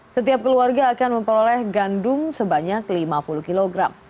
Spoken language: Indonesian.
setiap keluarga akan memperoleh gandum sebanyak lima puluh kg